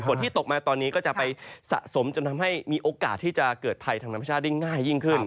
ที่ตกมาตอนนี้ก็จะไปสะสมจนทำให้มีโอกาสที่จะเกิดภัยทางธรรมชาติได้ง่ายยิ่งขึ้น